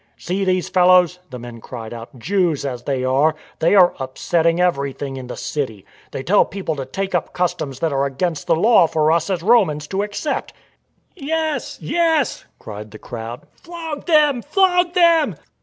" See these fellows," the men cried out. " Jews as they are, they are upsetting everything in the city. They tell people to take up customs that are against the Law for us as Romans to accept." "Yes, yes," cried the crowd; *' flog them, flog them."